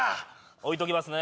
置いときますね。